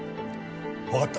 わかった。